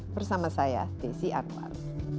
bersama saya desi anwar